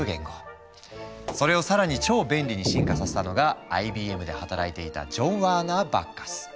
それを更に超便利に進化させたのがＩＢＭで働いていたジョン・ワーナー・バッカス。